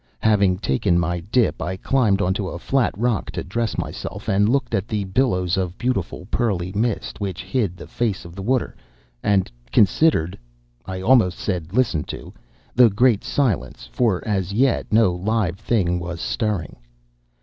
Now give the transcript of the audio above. Having taken my dip, I climbed on to a flat rock to dress myself, and looked at the billows of beautiful, pearly mist which hid the face of the water, and considered—I almost said listened to—the great silence, for as yet no live thing was stirring.